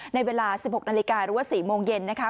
ในเวลา๑๖นาฬิกาหรือว่า๔โมงเย็นนะคะ